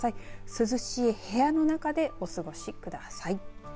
涼しい部屋の中でお過ごしください。